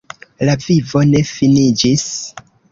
La vivo ne finiĝis.